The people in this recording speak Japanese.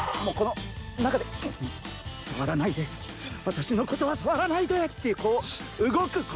もうこの中でさわらないで私のことはさわらないでっていうこう動く